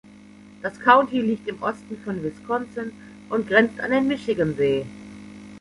Das County liegt im Osten von Wisconsin und grenzt an den Michigansee.